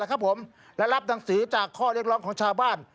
ครับผมและรับหนังสือจากข้อเรียกร้องของชาวบ้าน